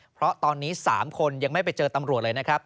เพราะตอนนี้๓คนยังไม่ไปเจอตำรวจเลยนะครับ